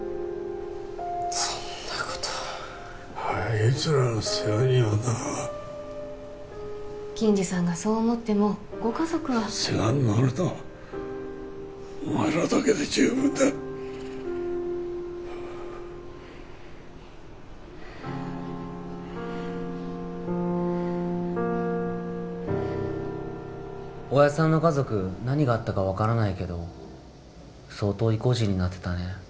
そんなことあいつらの世話にはならん銀治さんがそう思ってもご家族は世話になるのはお前らだけで十分だおやっさんの家族何があったか分からないけど相当意固地になってたね